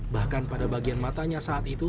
bahkan pada bagian matanya saat itu